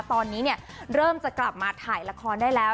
ตอนนี้เนี่ยเริ่มจะกลับมาถ่ายละครได้แล้ว